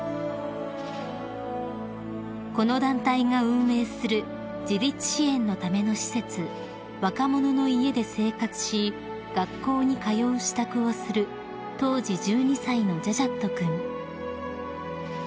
［この団体が運営する自立支援のための施設若者の家で生活し学校に通う支度をする当時１２歳のジャッジャット君］